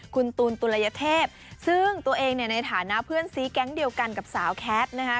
คุณตูนตุลยเทพซึ่งตัวเองเนี่ยในฐานะเพื่อนซีแก๊งเดียวกันกับสาวแคทนะคะ